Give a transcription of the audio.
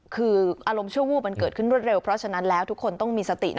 คืออารมณ์ชั่ววูบมันเกิดขึ้นรวดเร็วเพราะฉะนั้นแล้วทุกคนต้องมีสตินะ